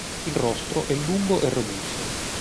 Il rostro è lungo e robusto.